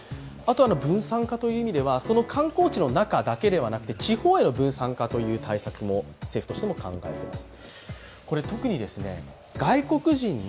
分散化という意味では、その観光地の中だけではなくて地方への分散化という対策も政府としては考えています。